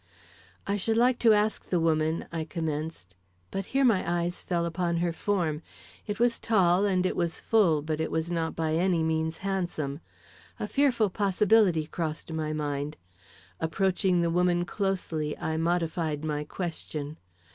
"I should like to ask the woman " I commenced, but here my eyes fell upon her form. It was tall and it was full, but it was not by any means handsome. A fearful possibility crossed my mind. Approaching the woman closely, I modified my question.